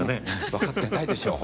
分かってないでしょう。